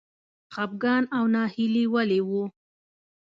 خپګان او ناهیلي ولې و؟